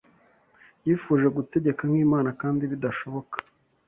Yifuje gutegeka nk’Imana kandi bidashoboka